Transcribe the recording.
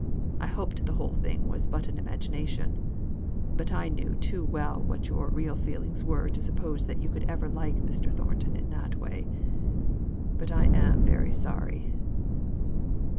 I hoped the whole thing was but an imagination; but I knew too well what your real feelings were to suppose that you could ever like Mr. Thornton in that way. But I am very sorry."